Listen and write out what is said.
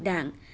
đó là một lý do